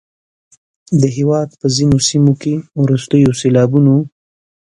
د هیواد په ځینو سیمو کې وروستیو سیلابونو